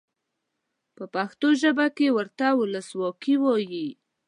په پښتو ژبه کې ورته ولسواکي وایي.